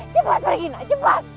cepat pergi nak cepat